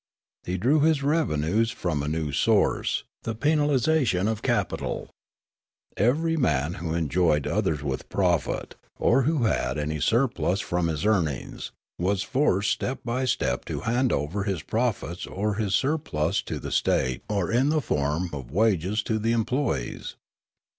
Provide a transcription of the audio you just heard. He drew his revenues from a new source, the penalisation of capital. Every man who employed others with profit, or who 2IO Riallaro had any surplus from his earnings, was forced step by step to hand over his profits or his surplus to the state or in the form of wages to the employees.